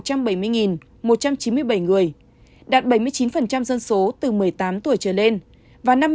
tiêm mũi hai được năm một trăm bảy mươi một trăm chín mươi bảy người đạt chín mươi ba năm dân số từ một mươi tám tuổi trở lên và bảy mươi ba tổng dân số